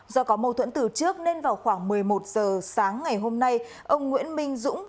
do có mâu thuẫn từ trước nên vào khoảng một mươi một h sáng ngày hôm nay ông nguyễn minh dũng